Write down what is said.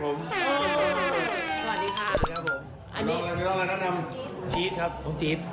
ของจี๊ด